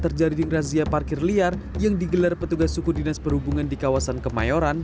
terjadi razia parkir liar yang digelar petugas suku dinas perhubungan di kawasan kemayoran